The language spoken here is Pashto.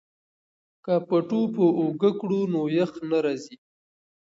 که پټو په اوږه کړو نو یخ نه راځي.